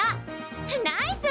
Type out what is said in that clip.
ナイス！